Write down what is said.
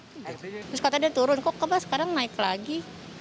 terus kata dia turun kok kembar sekarang naik lagi